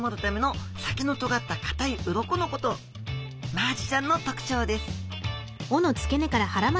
マアジちゃんの特徴です